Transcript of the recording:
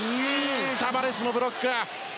タバレスのブロック。